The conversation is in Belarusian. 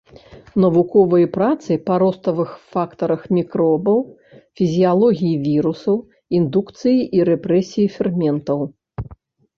Навуковыя працы па роставых фактарах мікробаў, фізіялогіі вірусаў, індукцыі і рэпрэсіі ферментаў.